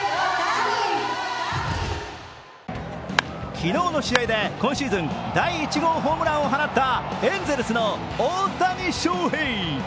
昨日の試合で今シーズン第１号ホームランを放ったエンゼルスの大谷翔平。